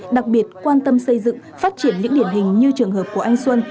đặc biệt quan tâm xây dựng phát triển những điển hình như trường hợp của anh xuân